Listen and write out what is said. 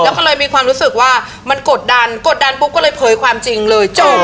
แล้วก็เลยมีความรู้สึกว่ามันกดดันกดดันปุ๊บก็เลยเผยความจริงเลยจบ